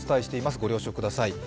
ご了承ください。